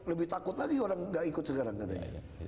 lebih takut lagi orang gak ikut sekarang katanya